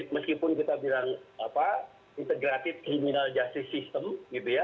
meskipun kita bilang integrated criminal justice system gitu ya